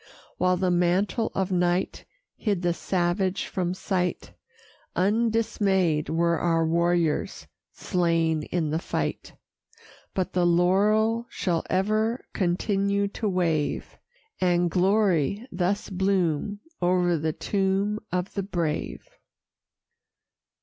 While the mantle of night Hid the savage from sight, Undismay'd were our warriors slain in the fight: But the laurel shall ever continue to wave, And glory thus bloom o'er the tomb of the brave.